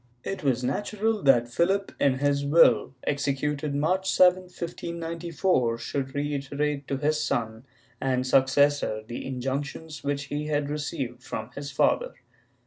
^ It was natural that Phihp, in his will, executed March 7, 1594, should reiterate to his son and successor the injunctions which he had received from his father.